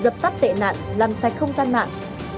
dập tắt tệ nạn làm sạch không gian mạng